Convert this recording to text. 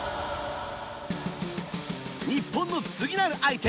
日本の次なる相手